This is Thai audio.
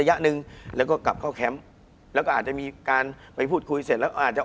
คุณผู้ชมบางท่าอาจจะไม่เข้าใจที่พิเตียร์สาร